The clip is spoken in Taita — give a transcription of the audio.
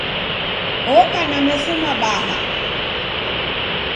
Oka na meso mabaha